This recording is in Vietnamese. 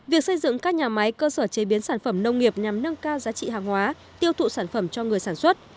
việc xây dựng các nhà máy cơ sở chế biến sản phẩm nông nghiệp nhằm nâng cao giá trị hàng hóa tiêu thụ sản phẩm cho người sản xuất